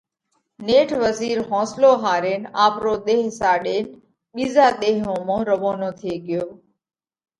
نيٺ وزِير حونصلو هارينَ آپرو ۮيه ساڏينَ ٻِيزا ۮيه ۿومو روَونو ٿي ڳيو۔